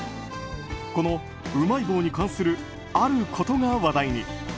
このうまい棒に関するあることが話題に。